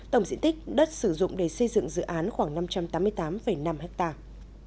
tổng diện tích đất sử dụng để xây dựng dự án khoảng năm trăm tám mươi tám năm hectare